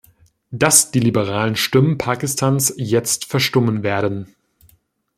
Dass die liberalen Stimmen Pakistans jetzt verstummen werden.